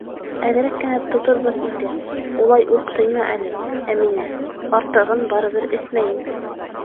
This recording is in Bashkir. Әҙерәк кенә тоторбоҙ инде, улай уҡ тыйма әле, Әминә, артығын барыбер эсмәйем.